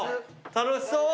楽しそう！